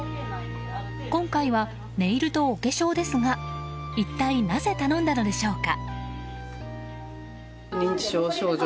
今回は、ネイルとお化粧ですが一体なぜ頼んだのでしょうか。